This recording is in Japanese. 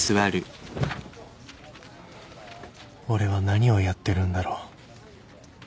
俺は何をやってるんだろう